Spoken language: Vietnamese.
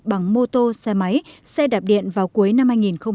bằng mô tô xe máy xe đạp điện vào cuối năm hai nghìn hai mươi